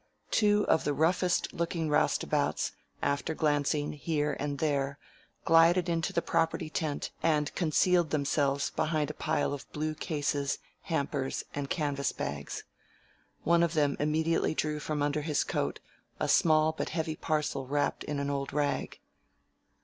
Two of the roughest looking roustabouts, after glancing here and there, glided into the property tent and concealed themselves behind a pile of blue cases, hampers, and canvas bags. One of them immediately drew from under his coat a small but heavy parcel wrapped in an old rag.